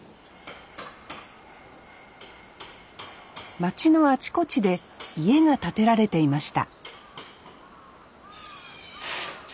町のあちこちで家が建てられていました